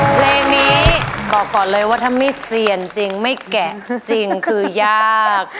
เพลงนี้บอกก่อนเลยว่าถ้าไม่เซียนจริงไม่แกะจริงคือยาก